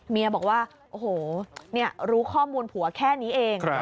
เมียบอกว่าโอ้โหรู้ข้อมูลผัวแค่นี้เอง